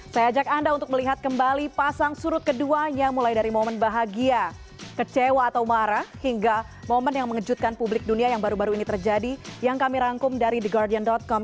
saya ajak anda untuk melihat kembali pasang surut keduanya mulai dari momen bahagia kecewa atau marah hingga momen yang mengejutkan publik dunia yang baru baru ini terjadi yang kami rangkum dari the guardian com